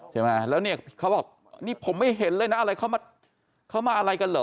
ใช่ไหมแล้วเนี่ยเขาบอกนี่ผมไม่เห็นเลยนะอะไรเขามาอะไรกันเหรอ